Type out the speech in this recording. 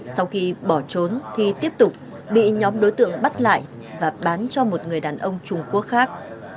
sau khi bỏ trốn thì tiếp tục bị nhóm đối tượng bắt lại và bán cho một người đàn ông trung quốc khác